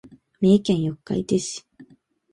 三重県四日市市